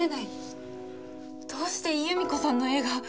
どうして由美子さんの絵が？